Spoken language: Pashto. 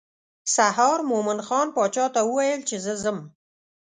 سهار مومن خان باچا ته وویل چې زه ځم.